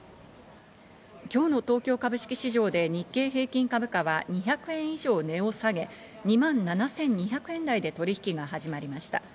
今日の東京株式市場で日経平均株価は２００円以上、値を下げ、２万７２００円台で取引が始まりました。